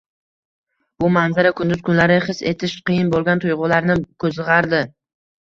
Bu manzara kunduz kunlari xis etish qiyin bo'lgan tuyg'ularni ko'zg'ardi.